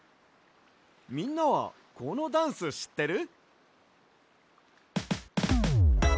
みんなはこのダンスしってる？